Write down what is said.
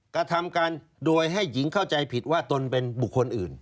กระทำการโดยให้หญิงเข้าใจผิดว่าตนเป็นบุคคลอื่น